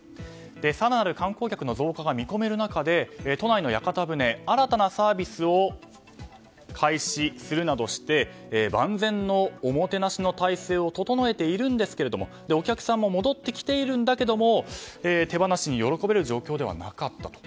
更なる観光客の増加が見込める中で都内の屋形船では新たなサービスを開始するなどして万全のおもてなしの態勢を整えているんですけどもお客さんも戻ってきているんだけども手放しに喜べる状況ではなかったと。